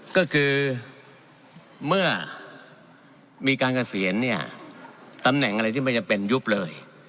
ก็คือเมื่อมีการเกษียณเนี่ยตำแหน่งอะไรที่ไม่จำเป็นยุบเลย